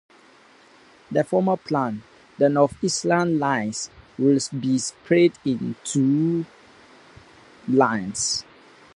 In the former plan, the North Island Line would be split in two lines.